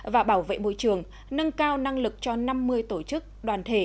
và bảo vệ môi trường nâng cao năng lực cho năm mươi tổ chức đoàn thể